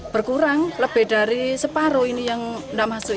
berkurang lebih dari separuh ini yang tidak masuk